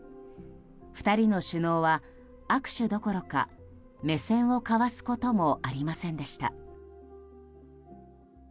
２人の首脳は、握手どころか目線を交わすこともありませんでした。